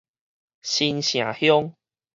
新城鄉